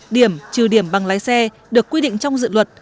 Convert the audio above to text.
điểm trừ điểm bằng lái xe được quy định trong dự luật